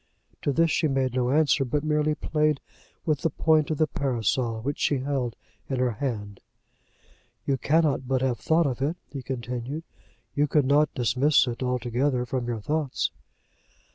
To this she made no answer, but merely played with the point of the parasol which she held in her hand. "You cannot but have thought of it," he continued. "You could not dismiss it altogether from your thoughts."